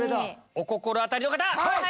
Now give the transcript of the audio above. お心当たりの方！